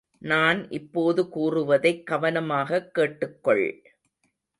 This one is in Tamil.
நான் இப்போது கூறுவதைக் கவனமாகக் கேட்டுக்கொள்!